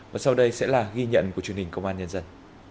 và sau đây sẽ là ghi nhận của truyền hình công an nhân dân